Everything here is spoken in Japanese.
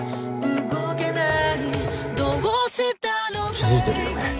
気付いてるよね？